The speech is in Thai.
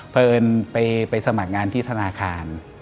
เพราะเอิญไปสมัครงานที่ธนาคาร